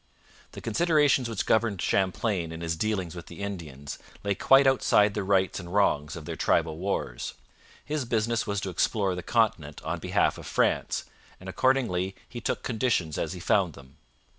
The considerations which governed Champlain in his dealings with the Indians lay quite outside the rights and wrongs of their tribal wars. His business was to explore the continent on behalf of France, and accordingly he took conditions as he found them.